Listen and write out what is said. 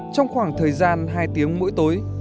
trong khoảng thời gian hai tiếng mỗi tối